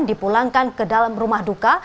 dipulangkan ke dalam rumah duka